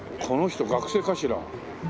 この人学生かしら？